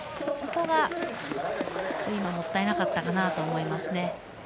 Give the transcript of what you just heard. そこがもったいなかったかなと思いますね。